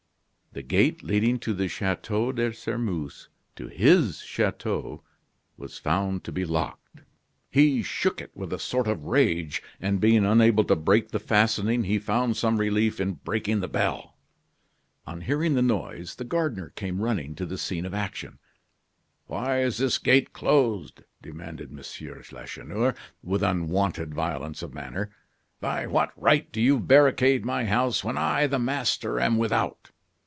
The gate leading to the Chateau de Sairmeuse, to his chateau, was found to be locked. He shook it with a sort of rage; and, being unable to break the fastening, he found some relief in breaking the bell. On hearing the noise, the gardener came running to the scene of action. "Why is this gate closed?" demanded M. Lacheneur, with unwonted violence of manner. "By what right do you barricade my house when I, the master, am without?"